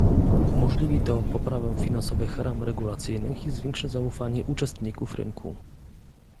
Umożliwi to poprawę finansowych ram regulacyjnych i zwiększy zaufanie uczestników rynku